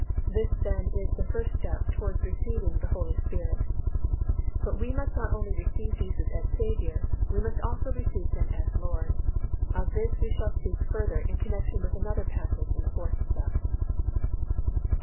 This then is the first step towards receiving the Holy Spirit. But we must not only receive Jesus as Saviour, we must also receive Him as Lord. Of this we shall speak further in connection with another passage in the fourth step.